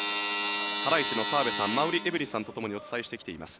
ハライチの澤部さん馬瓜エブリンさんとともにお伝えしてきています。